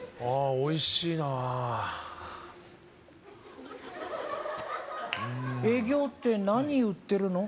おいしいなあ営業って何売ってるの？